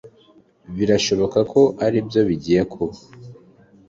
Birashoboka ko aribyo bigiye kuba